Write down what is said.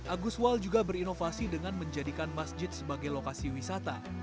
aguswal juga berinovasi dengan menjadikan masjid sebagai lokasi wisata